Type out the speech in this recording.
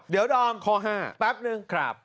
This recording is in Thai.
เดี๋ยวดอมข้อห้าแป๊บนึงครับ